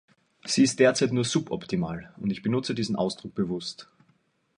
Sie ist derzeit nur suboptimal, und ich benutzte diesen Ausdruck bewusst.